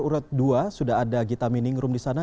pasangan nomor urut dua sudah ada gita miningrum di sana